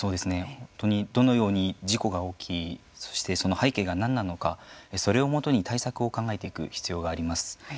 本当にどのように事故が起きそして、背景が何なのかそれをもとに対策を考えていく必要があります。